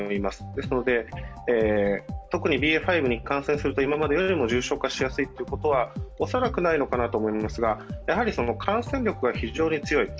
ですので、特にＢＡ．５に感染すると、今までよりも重症化しやすいというのは恐らくないのかなと思いますが感染力が非常に強い。